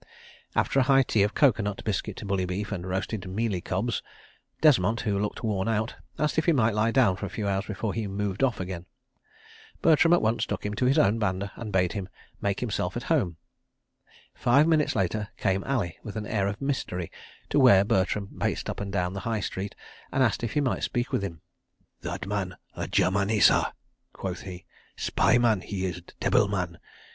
... After a high tea of coco nut, biscuit, bully beef, and roasted mealie cobs, Desmont, who looked worn out, asked if he might lie down for a few hours before he "moved off" again. Bertram at once took him to his own banda and bade him make himself at home. Five minutes later came Ali with an air of mystery to where Bertram paced up and down the "High Street," and asked if he might speak with him. "That man a Germani, sah!" quoth he. "Spy man he is. Debbil man.